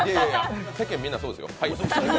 世間みんなそうですよ。